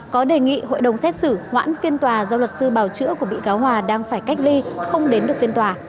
có đề nghị hội đồng xét xử hoãn phiên tòa do luật sư bào chữa của bị cáo hòa đang phải cách ly không đến được phiên tòa